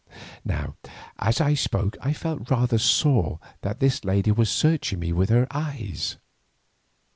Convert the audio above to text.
Now as she spoke I felt rather than saw that this lady was searching me with her eyes.